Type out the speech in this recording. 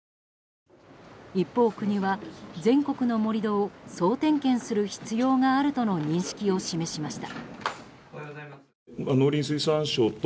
一方、国は全国の盛り土を総点検する必要があるとの認識を示しました。